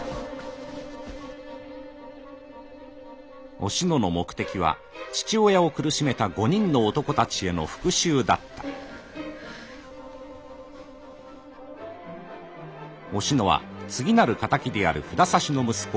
おしのの目的は父親を苦しめた５人の男達への復讐だったおしのは次なる仇である札差の息子